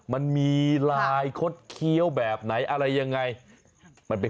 ต้นไม้เราจะเห็นอะไรได้